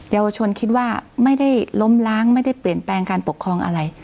เยาวชนคิดว่าไม่ได้ล้มล้างไม่ได้เปลี่ยนแปลงการปกครองอะไร